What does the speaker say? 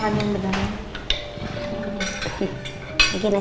saya makan yang beneran